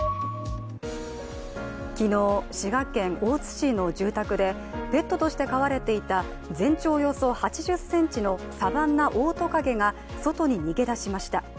昨日、滋賀県大津市の住宅でペットとして飼われていた全長およそ８０ｃｍのサバンナオオトカゲが外に逃げ出しました。